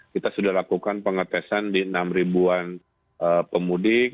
kita sudah lakukan pengetesan di enam ribuan pemudik